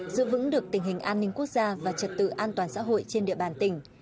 giữ vững được tình hình an ninh quốc gia và trật tự an toàn xã hội trên địa bàn tỉnh